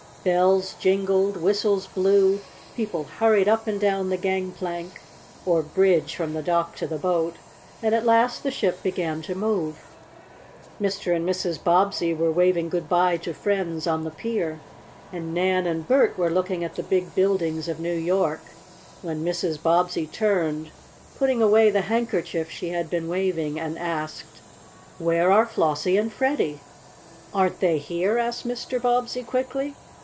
Bells jingled, whistles blew, people hurried up and down the gangplank, or bridge from the dock to the boat, and at last the ship began to move. Mr. and Mrs. Bobbsey were waving good bye to friends on the pier, and Nan and Bert were looking at the big buildings of New York, when Mrs. Bobbsey turned, putting away the handkerchief she had been waving, and asked: "Where are Flossie and Freddie?" "Aren't they here?" asked Mr. Bobbsey quickly.